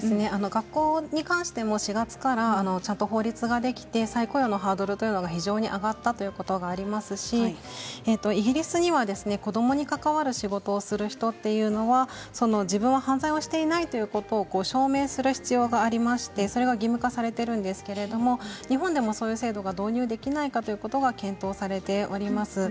学校に関しても４月からちゃんと法律ができて再雇用のハードルが非常に上がったということがありますしイギリスには子どもに関わる仕事をする人というのは自分は犯罪をしていないと証明する必要がありましてそれが義務化されているんですけれども日本でもそういう制度が導入できないかということが検討されております。